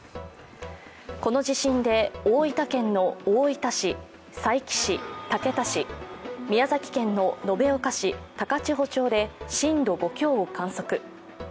この地震で、大分県の大分市、佐伯市、竹田市、宮崎県の延岡市、高千穂町で震度５強を観測。